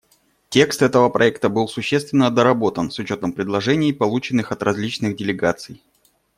Текст этого проекта был существенно доработан с учетом предложений, полученных от различных делегаций.